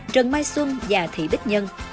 trần mai xuân và thị bích nhân